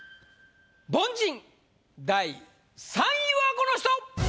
凡人第３位はこの人！